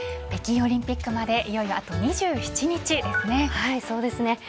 北京オリンピックまでいよいよあと２７日ですね。